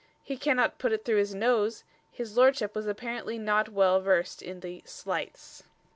he cannot put it through his nose!" His lordship was apparently not well versed in the "slights."